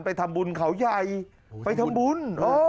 ไปทำบุญเขาใหญ่ไปทำบุญ